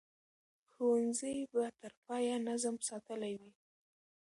ښوونځي به تر پایه نظم ساتلی وي.